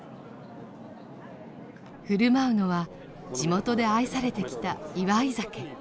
振る舞うのは地元で愛されてきた祝い酒。